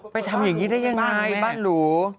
ทำอย่างนี้ได้ยังไงบ้านหรู